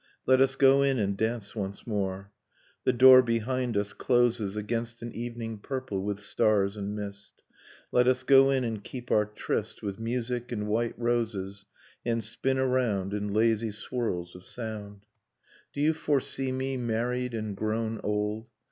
Let us go in and dance once more ... The door behind us closes Against an evening purple with stars and mist ... Let us go in and keep our tryst With music and white roses, and spin around In lazy swirls of sound. Do you foresee me, married and grown old